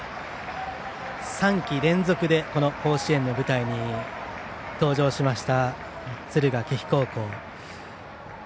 ３季連続でこの甲子園の舞台に登場しました敦賀気比高校。